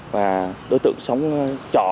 và đối tượng sống trọ